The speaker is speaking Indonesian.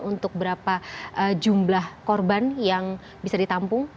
untuk berapa jumlah korban yang bisa ditampung